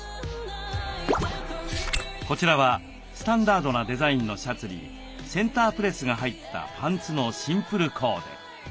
こちらはスタンダードなデザインのシャツにセンタープレスが入ったパンツのシンプルコーデ。